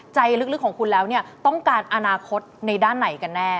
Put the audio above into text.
ใจลึกของคุณแล้วเนี่ยต้องการอนาคตในด้านไหนกันแน่